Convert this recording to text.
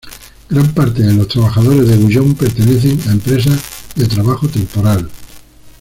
Gran parte de los trabajadores de Gullón pertenecen a empresas de trabajo temporal.